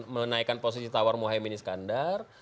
menaikan posisi tawar muhyemini skandar